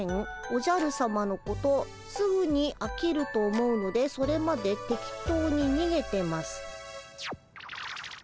おじゃるさまのことすぐにあきると思うのでそれまで適当ににげてます」。